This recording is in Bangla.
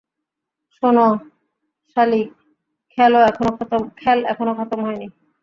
শোনো, সালি, খেল এখনো খতম হয়নি।